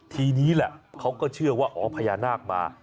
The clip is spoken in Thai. ทีนี้แหละเขาก็เชื่อว่าอ๋อพญานาคมา